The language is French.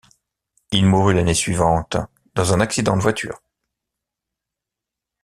Il mourut l'année suivante dans un accident de voiture.